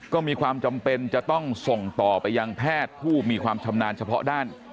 ก็มีความจำเป็นจะต้องส่งต่อไปยังแพทย์ผู้มีความชำนาญเฉพาะด้าน